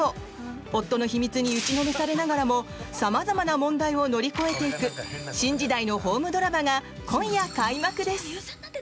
夫の秘密に打ちのめされながらもさまざまな問題を乗り越えていく新時代のホームドラマが今夜開幕です。